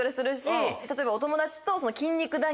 例えばお友達と。